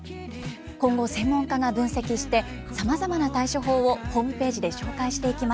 今後専門家が分析してさまざまな対処法をホームページで紹介していきます。